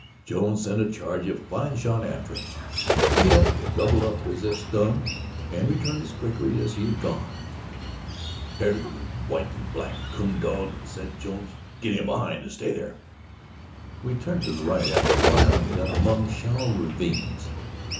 Jones sent a charge of fine shot after him. He yelped, doubled up as if stung, and returned as quickly as he had gone. "Hyar, you white and black coon dog," said Jones, "get in behind, and stay there." We turned to the right after a while and got among shallow ravines.